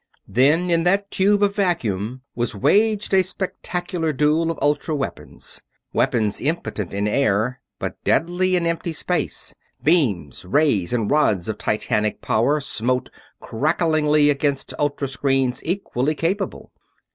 Then in that tube of vacuum was waged a spectacular duel of ultra weapons weapons impotent in air, but deadly in empty space. Beams, rays, and rods of Titanic power smote crackingly against ultra screens equally capable.